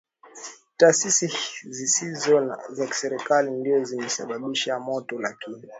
taasisi zisizo za kiserikali ndio zimesababisha moto lakini